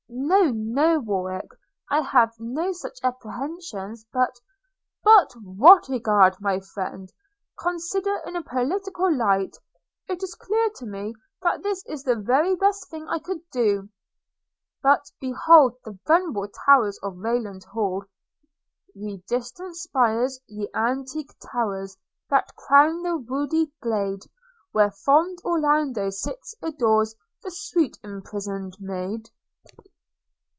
'No, no, Warwick, I have no such apprehensions; but,' – 'But what? Egad, my friend, considered in a political light, it is clear to me that this is the very best thing I could do. – But behold the venerable towers of Rayland Hall! 'Ye distant spires, ye antique towers That crown the woody glade, Where fond Orlando still adores The sweet imprison'd maid!'